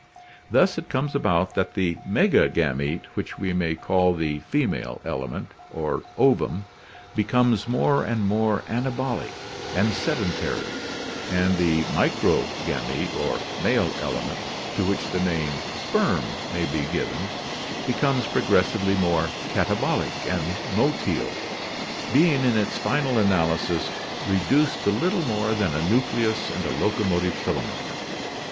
Thus it comes about that the megagamete, which we may call the female element or "ovum," becomes more and more anabolic and sedentary, and the microgamete or male element, to which the name "sperm" may be given, becomes progressively more katabolic and motile, being in its final analysis reduced to little more than a nucleus and a locomotive filament.